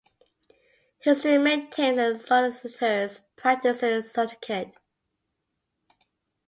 He still maintains a Solicitors Practising Certificate.